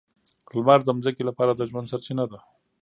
لمر د ځمکې لپاره د ژوند سرچینه ده.